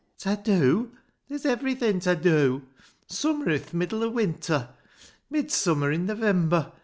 " Ta dew ? Ther's iverything ta dew. Summer i' th' middle of winter; midsummer in Noveniber.